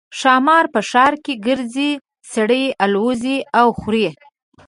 ښامار په ښار کې ګرځي سړي الوزوي او خوري.